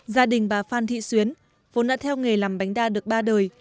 gia đình bà phan thị xuyến vốn đã theo nghề làm bánh đa được ba đời